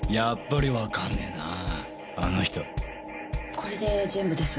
これで全部です。